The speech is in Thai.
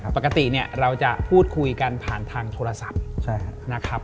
ปกติเราจะพูดคุยกันผ่านทางโทรศัพท์นะครับ